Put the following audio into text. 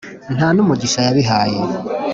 nta n’umugisha yabihaye